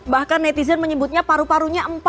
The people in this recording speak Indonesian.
bahkan netizen menyebutnya paru parunya